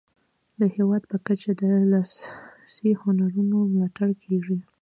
د هیواد په کچه د لاسي هنرونو ملاتړ کیږي.